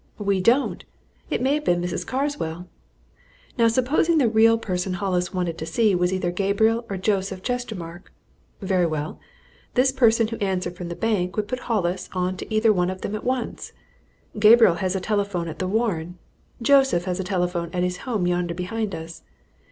We don't! It may have been Mrs. Carswell. Now supposing the real person Hollis wanted to see was either Gabriel or Joseph Chestermarke? Very well this person who answered from the bank would put Hollis on to either of them at once. Gabriel has a telephone at the Warren: Joseph has a telephone at his home yonder behind us.